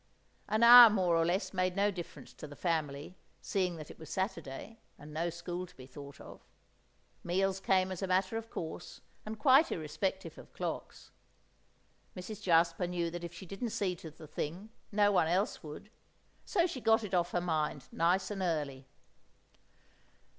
An hour more or less made no difference to the family, seeing that it was Saturday and no school to be thought of. Meals came as a matter of course, and quite irrespective of clocks. Mrs. Jasper knew that if she didn't see to the thing no one else would. So she got it off her mind nice and early.